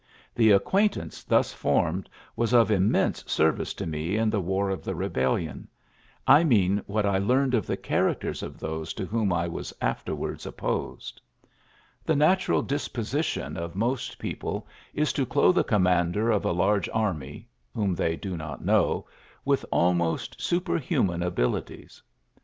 . The acquaint ance thus formed was of immense ser Tice to me in the War of the Eebellion, — I mean what I learned of the characters of those to whom I was afterwards opposed. ... The natural disposition of Aiuiiuy ^V3U 44 ULYSSES S. GRA3ST most people is to clothe a commander of a large army, whom they do not know, with almost superhuman abilities.